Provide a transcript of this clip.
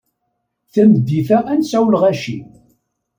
Tameddit-a ad nesɛu lɣaci.